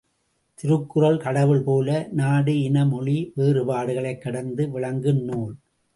திருக்குறள் கடவுள் போல, நாடு இன மொழி வேறுபாடுகளைக் கடந்து விளங்கும் நூல்.